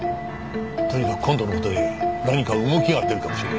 とにかく今度の事で何か動きが出るかもしれない。